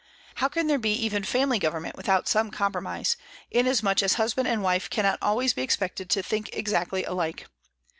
How can there be even family government without some compromise, inasmuch as husband and wife cannot always be expected to think exactly alike?